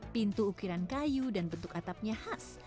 pintu ukiran kayu dan bentuk atapnya khas